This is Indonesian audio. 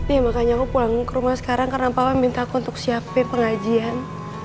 iya makanya aku pulang ke rumah sekarang karena papa minta aku untuk siapin pengajian